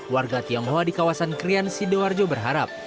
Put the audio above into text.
warga tionghoa di kawasan krian sidoarjo berharap